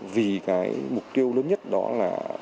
vì cái mục tiêu lớn nhất đó là